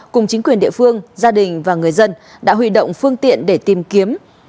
cùng chính quyền địa phương gia đình và người dân đã huy động phương tiện để tìm kiếm